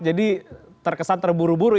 jadi terkesan terburu buru